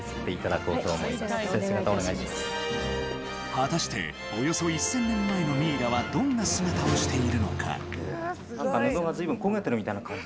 果たしておよそ１０００年前のミイラはどんな姿をしているのか？